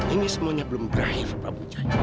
ini semuanya belum berakhir pak puca